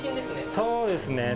そうですね。